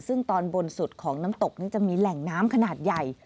ซึ่งตอนบนสุดของน้ำตกนี้จะมีแหล่งน้ำขนาดใหญ่